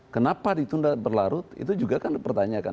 kenapa ditunda berlarut itu juga kan dipertanyakan